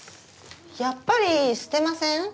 やっぱり捨てません？